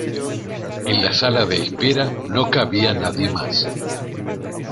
En la sala de espera no cabía nadie más.